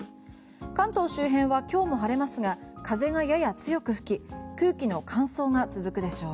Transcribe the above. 関東周辺は今日も晴れますが風がやや強く吹き空気の乾燥が続くでしょう。